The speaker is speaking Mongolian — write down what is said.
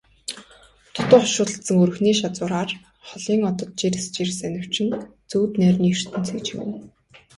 Дутуу хошуулдсан өрхний шазуураар холын одод жирс жирс анивчин зүүд нойрны ертөнцийг чимнэ.